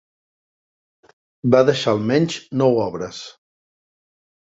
Va deixar almenys nou obres.